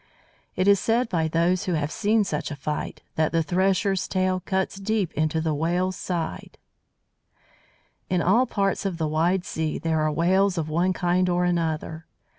It is said, by those who have seen such a fight, that the Thresher's tail cuts deep into the Whale's sides. [Illustration: THE SUCKING FISH] In all parts of the wide sea there are Whales of one kind or another.